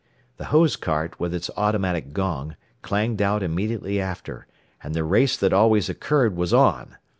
The hose cart, with its automatic gong, clanged out immediately after, and the race that always occurred was on.